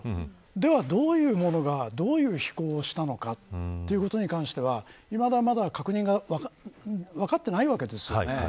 では、どういうものがどういう飛行したのかということに関してはいまだ、まだ確認が分かっていないわけですよね。